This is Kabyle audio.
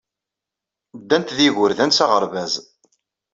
Ddant ed yigerdan s aɣerbaz.